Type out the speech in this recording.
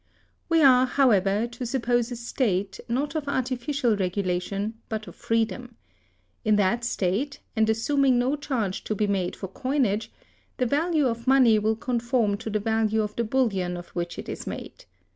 We are, however, to suppose a state, not of artificial regulation, but of freedom. In that state, and assuming no charge to be made for coinage, the value of money will conform to the value of the bullion of which it is made.